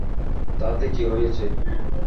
তাতে কি হয়েছে?